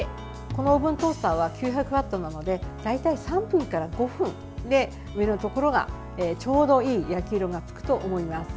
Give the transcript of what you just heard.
このオーブントースターは９００ワットなので大体３分から５分で上のところがちょうどいい焼き色がつくと思います。